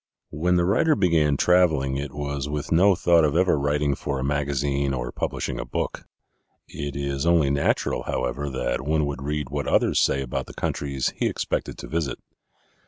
When the writer began traveling it was with no thought of ever writing for a magazine or publishing a book. It is only natural, however, that one would read what others say about the countries he expected to visit.